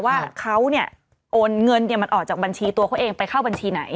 ว่าเขาโอนเงินมันออกจากบัญชีตัวเขาเองไปเข้าบัญชีไหน